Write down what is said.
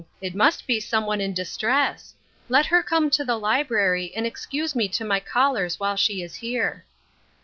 it must be some one in distress. Let her come to the library, and excuse me to any callers while she is here."